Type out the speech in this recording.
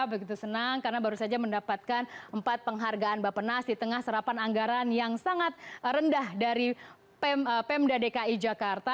begitu senang karena baru saja mendapatkan empat penghargaan bapak nas di tengah serapan anggaran yang sangat rendah dari pemda dki jakarta